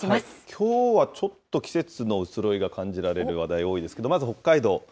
きょうはちょっと季節の移ろいが感じられる話題が多いですけれども、まず北海道。